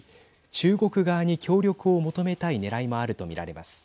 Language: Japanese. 中国側に協力を求めたいねらいもあると見られます。